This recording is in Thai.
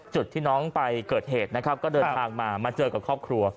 จุดที่น้องไปเกิดเหตุนะครับก็เดินทางมามาเจอกับครอบครัว